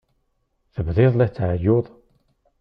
Tebdiḍ la tɛeyyuḍ?